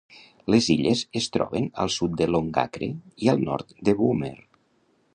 Les illes es troben al sud de Longacre i al nord de Boomer.